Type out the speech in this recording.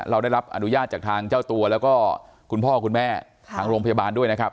เราได้รับอนุญาตจากทางเจ้าตัวแล้วก็คุณพ่อคุณแม่ทางโรงพยาบาลด้วยนะครับ